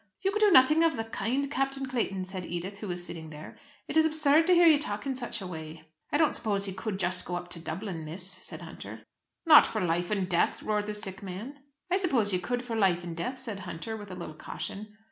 "You could do nothing of the kind, Captain Clayton," said Edith, who was sitting there. "It is absurd to hear you talk in such a way." "I don't suppose he could just go up to Dublin, miss," said Hunter. "Not for life and death?" roared the sick man. "I suppose you could for life and death," said Hunter, with a little caution.